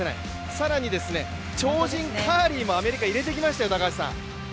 更に超人カーリーもアメリカ、入れてきましたよ。